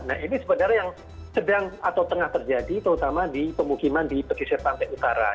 nah ini sebenarnya yang sedang atau tengah terjadi terutama di pemukiman di pesisir pantai utara